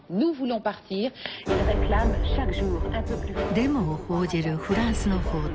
デモを報じるフランスの報道。